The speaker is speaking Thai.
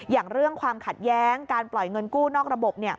อย่างเรื่องความขัดแย้งการปล่อยเงินกู้นอกระบบ